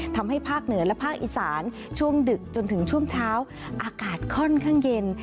ภาคเหนือและภาคอีสานช่วงดึกจนถึงช่วงเช้าอากาศค่อนข้างเย็น